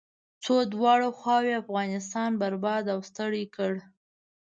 څو دواړو خواوو افغانستان برباد او ستړی کړ.